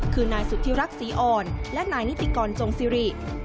คือนายสุธิรักษีอ่อนและนายนิติกรจงซิริ